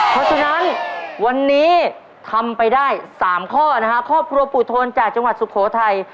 เพราะฉะนั้นวันนี้ทำไปได้๓ข้อนะฮะครอบครัวปู่โทนจากจังหวัดสุโขทัย